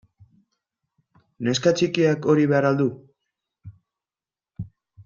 Neska txikiak hori behar al du?